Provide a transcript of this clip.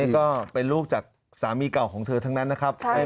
ก็เป็นลูกจากสามีเก่าของเธอทั้งนั้นนะครับ